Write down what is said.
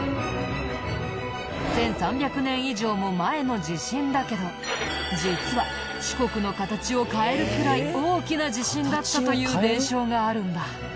１３００年以上も前の地震だけど実は四国の形を変えるくらい大きな地震だったという伝承があるんだ。